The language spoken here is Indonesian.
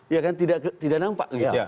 ya kan tidak nampak gitu